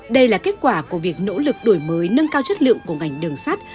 đây là kết quả của việc nỗ lực đổi mới nâng cao chất lượng của ngành đường sắt